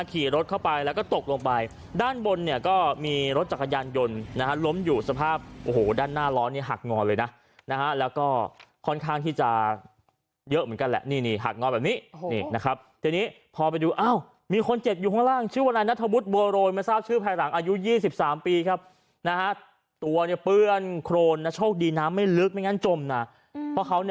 ขี่รถเข้าไปแล้วก็ตกลงไปด้านบนเนี่ยก็มีรถจักรยานยนต์นะฮะล้มอยู่สภาพโอ้โหด้านหน้าล้อเนี่ยหักงอเลยนะนะฮะแล้วก็ค่อนข้างที่จะเยอะเหมือนกันแหละนี่นี่หักงอแบบนี้นี่นะครับทีนี้พอไปดูอ้าวมีคนเจ็บอยู่ข้างล่างชื่อวนายนัทวุฒิบัวโรยไม่ทราบชื่อภายหลังอายุ๒๓ปีครับนะฮะตัวเนี่ยเปื้อนโครนนะโชคดีน้ำไม่ลึกไม่งั้นจมนะเพราะเขา